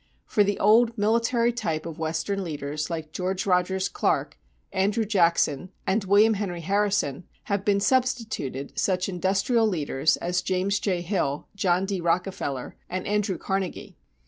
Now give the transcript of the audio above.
For the old military type of Western leaders like George Rogers Clark, Andrew Jackson, and William Henry Harrison have been substituted such industrial leaders as James J. Hill, John D. Rockefeller, and Andrew Carnegie.